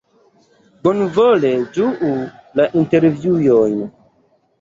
Bonvole ĝuu la intervjuon!